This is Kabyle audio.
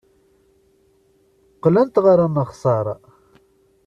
Qqlent ɣer uneɣsar.